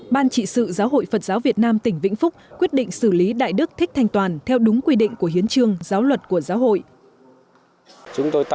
ban trị sự giáo hội phật giáo việt nam tỉnh vĩnh phúc quyết định xử lý đại đức thích thanh toàn theo đúng quy định của hiến trương giáo luật của giáo hội